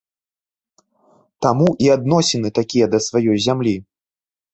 Таму і адносіны такія да сваёй зямлі.